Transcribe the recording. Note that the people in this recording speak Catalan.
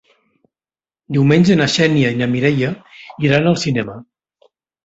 Diumenge na Xènia i na Mireia iran al cinema.